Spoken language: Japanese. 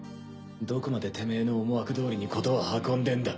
どこまでテメエの思惑どおりに事は運んでんだ？